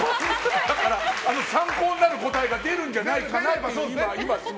参考になる答えが出るんじゃないかなって。